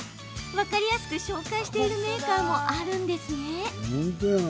分かりやすく紹介しているメーカーもあるんですね。